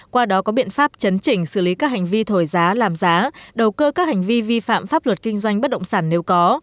qua đó có biện pháp chấn chỉnh xử lý các hành vi thổi giá làm giá đầu cơ các hành vi vi phạm pháp luật kinh doanh bất động sản nếu có